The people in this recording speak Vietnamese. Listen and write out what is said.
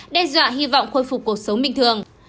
đe dọa hy vọng khôi phục cuộc sống bình thường